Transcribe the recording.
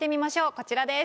こちらです。